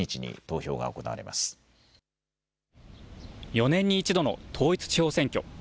４年に一度の統一地方選挙。